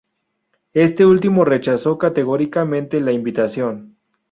Este último rechazó categóricamente la invitación.